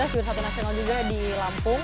dua ribu lima belas jurus satu nasional juga di lampung